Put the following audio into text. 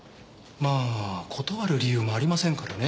まあ断る理由もありませんからね。